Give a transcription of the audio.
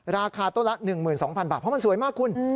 ราคาต้นละ๑๒๐๐บาทเพราะมันสวยมากคุณ